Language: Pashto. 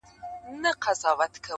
• نه له ما سره غمی دی چا لیدلی..